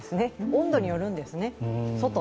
温度によるんですね。